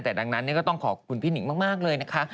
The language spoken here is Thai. แต่ดังนั้นก็ต้องขอบคุณพี่หนิงมากเลยนะคะ